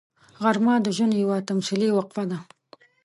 غرمه د ژوند یوه تمثیلي وقفه ده